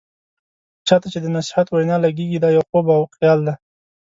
چا ته چې د نصيحت وینا لګیږي، دا يو خوب او خيال دی.